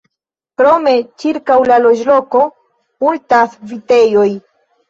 Krome, ĉirkaŭ la loĝloko multas vitejoj.